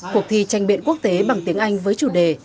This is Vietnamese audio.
cuộc thi tranh biện quốc tế bằng tiếng anh với chủ đề